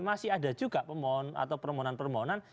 masih ada juga peremonan peremonan